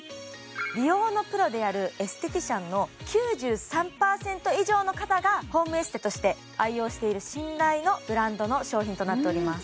美容のプロであるエステティシャンの９３％以上の方がホームエステとして愛用している信頼のブランドの商品となっております